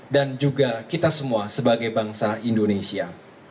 dan juga kita semua sebagai bangsa indonesia